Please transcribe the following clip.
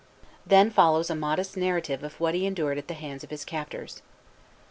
Then follows a modest narrative of what he endured at the hands of his captors.